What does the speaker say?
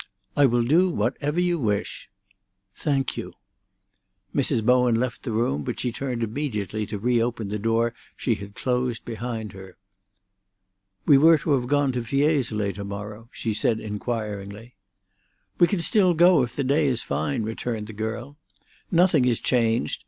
"I will do whatever you wish." "Thank you." Mrs. Bowen left the room, but she turned immediately to re open the door she had closed behind her. "We were to have gone to Fiesole to morrow," she said inquiringly. "We can still go if the day is fine," returned the girl. "Nothing is changed.